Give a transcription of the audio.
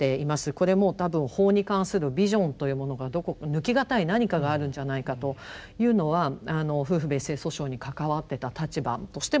これも多分法に関するビジョンというものが抜きがたい何かがあるんじゃないかというのは夫婦別姓訴訟に関わってた立場としても思います。